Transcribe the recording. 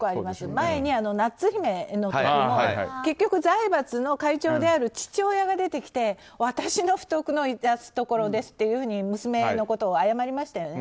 前に、ナッツ姫の時も結局、財閥の会長である父親が出てきて私の不徳の致すところですと娘のことを謝りましたよね。